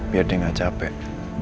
biar dia gak capek